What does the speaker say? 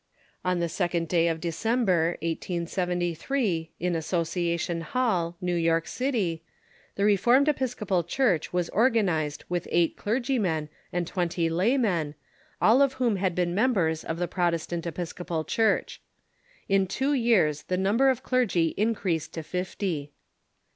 On the second day of December, 1873, in Association Hall, New \"ork City, the Re formed Episcopal Church was organized with eight clergy men and twenty laymen, all of whom had been members of the Protestant Episcopal Church. In two years the number of clergy increased to fifty.